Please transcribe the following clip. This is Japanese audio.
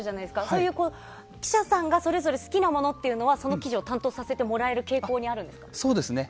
そういう記者さんがそれぞれ好きなものっていうのはその記事を担当させてもらえる傾向にあるんですか？